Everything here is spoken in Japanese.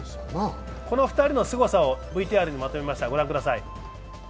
この２人のすごさをＶＴＲにまとめました。